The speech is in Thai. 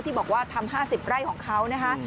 บอกว่าทำ๕๐ไร่ของเขานะคะ